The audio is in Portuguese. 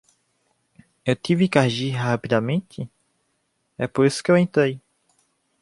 Eu tive que agir rapidamente? é por isso que eu entrei.